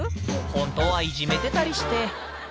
本当はいじめてたりして。